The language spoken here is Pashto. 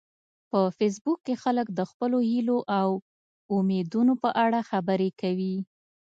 په فېسبوک کې خلک د خپلو هیلو او امیدونو په اړه خبرې کوي